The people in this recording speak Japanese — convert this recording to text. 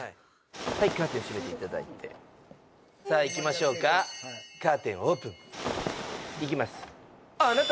はいさあいきましょうかカーテンオープンいきます